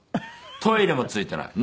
トイレもついてない。